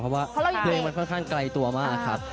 เพราะว่าเพลงมันค่อนข้างไกลตัวมากครับ